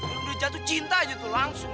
udah jatuh cinta aja tuh langsung